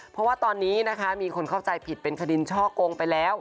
เพราะว่าตอนนี้นะคะมีคนเข้าใจผิดเป็นคดีช่อกงไปแล้ว